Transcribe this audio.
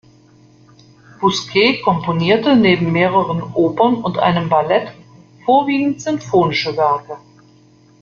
Bousquet komponierte neben mehreren Opern und einem Ballett vorwiegend sinfonische Werke.